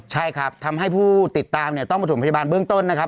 ใช่ครับทำให้ผู้ติดตามเนี่ยต้องประถมพยาบาลเบื้องต้นนะครับ